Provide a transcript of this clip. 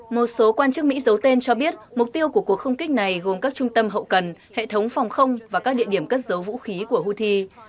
một số quan chức mỹ giấu tên cho biết mục tiêu của cuộc không kích này gồm các trung tâm hậu cần hệ thống phòng không và các địa điểm cất giấu vũ khí của houthi